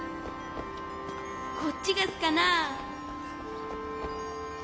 こっちがすかな？